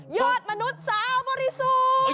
อดมนุษย์สาวบริสุทธิ์